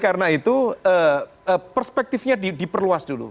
karena itu perspektifnya diperluas dulu